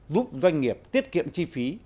giúp doanh nghiệp tiết kiệm chi phí